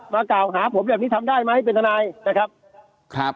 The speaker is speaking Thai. มาก้าวหาผมเรียบนี้ทำได้มั้ยเป็นท่านายนะครับ